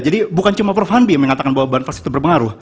jadi bukan cuma prof hamdi yang mengatakan bahwa bansos itu berpengaruh